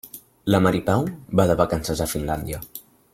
La Mari Pau va de vacances a Finlàndia.